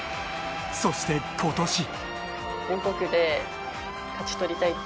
そして、今年。